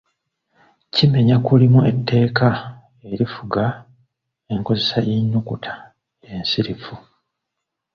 Kimenya erimu ku tteeka erifuga enkozesa y’ennukuta ensirifu.